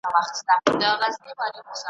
هر مزل مو له پېړیو د اشنا په وینو سور دی .